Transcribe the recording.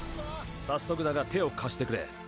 早速だが手を貸してくれ。